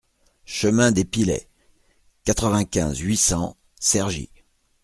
Chemin des Pilets, quatre-vingt-quinze, huit cents Cergy